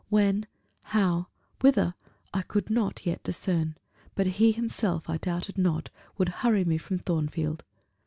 When how whither, I could not yet discern; but he himself, I doubted not, would hurry me from Thornfield.